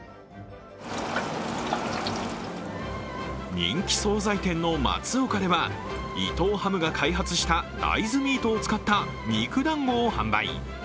人気総菜店のまつおかでは伊藤ハムが開発した大豆ミートを使った肉だんごを販売。